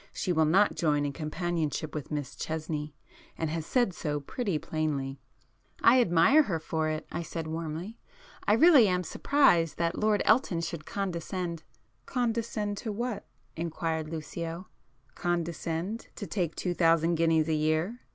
She will not join in companionship with Miss Chesney, and has said so pretty plainly." "I admire her for it!" I said warmly—"I really am surprised that Lord Elton should condescend——" "Condescend to what?" inquired Lucio—"Condescend to take two thousand guineas a year?